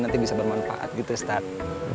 nanti bisa bermanfaat gitu ustadz